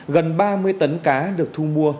gần ba mươi tấn cá được thu mua